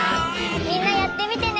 みんなやってみてね！